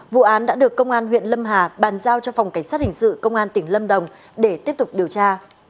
vụ án đã được công an huyện lâm hà bàn giao cho phòng cảnh sát hình sự công an tỉnh lâm đồng để tiếp tục điều tra